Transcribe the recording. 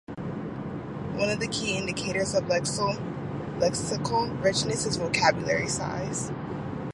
One of the key indicators of lexical richness is vocabulary size.